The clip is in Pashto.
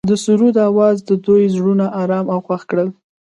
د سرود اواز د دوی زړونه ارامه او خوښ کړل.